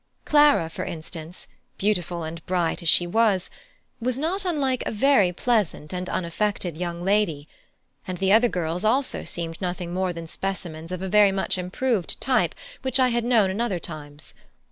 Clara, for instance, beautiful and bright as she was, was not unlike a very pleasant and unaffected young lady; and the other girls also seemed nothing more than specimens of very much improved types which I had known in other times.